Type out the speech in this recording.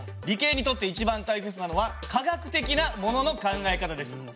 理系にとって一番大切なのは科学的なものの考え方です。